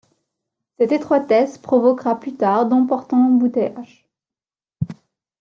Cette étroitesse provoquera plus tard d'importants embouteillages.